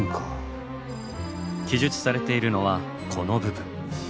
記述されているのはこの部分。